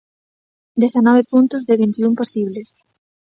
Dezanove puntos de vinte e un posibles.